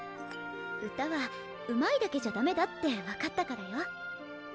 歌はうまいだけじゃだめだって分かったからよ。